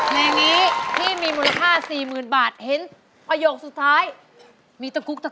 กันไว้หนึ่งคำนะร้องผิดได้หนึ่งคำ